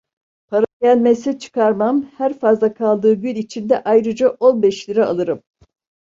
Para gelmezse çıkarmam, her fazla kaldığı gün için da ayrıca on beş lira alırım!